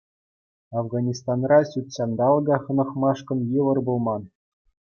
Афганистанра ҫут ҫанталӑка хӑнӑхмашкӑн йывӑр пулман.